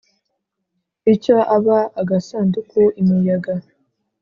Icyo aba agasanduku imiyaga